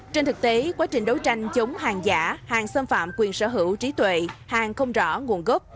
trên thực tế quá trình đấu tranh chống hàng giả hàng xâm phạm quyền sở hữu trí tuệ hàng không rõ nguồn gốc